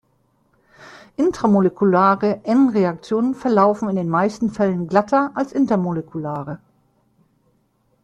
Intramolekulare En-Reaktionen verlaufen in den meisten Fällen glatter als intermolekulare.